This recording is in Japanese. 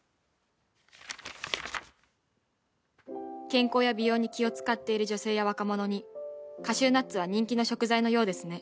「健康や美容に気を使っている女性や若者にカシューナッツは人気の食材のようですね」